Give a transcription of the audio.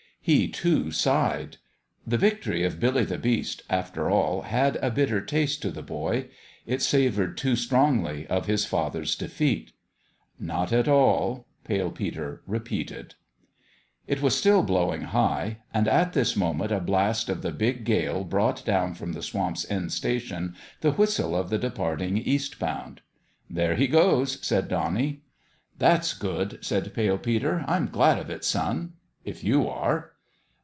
He, too, sighed. The victory of Billy the Beast, after all, had a bitter taste to the boy. It savoured too strongly of his father's defeat. " Not at all," Pale Peter repeated. THE END OF THE GAME ^ It was still blowing high ; and at this moment a blast of the big gale brought down from the Swamp's End station the whistle of the depart ing east bound. " There he goes 1" said Bonnie. " That's good," said Pale Peter. " I'm glad of it, son if you are."